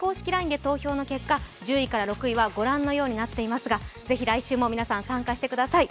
ＬＩＮＥで投票の結果１０位から６位はご覧のようになっていますがぜひ来週も皆さん、参加してください。